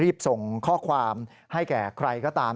ส่งข้อความให้แก่ใครก็ตาม